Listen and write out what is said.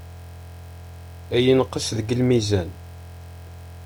Ad yenqes deg lmizan.